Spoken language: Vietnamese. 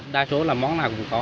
đa số là món nào cũng có